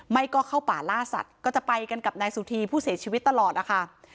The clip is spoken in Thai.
ไม่ก็เข้าป่าล่าสัตว์ก็จะไปกันกับนายสุธีผู้เสียชีวิตตลอดนะคะ